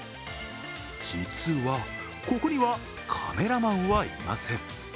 実はここにはカメラマンはいません。